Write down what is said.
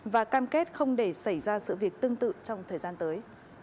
và cam kết không để xảy ra sự việc tương tự trong thời gian tới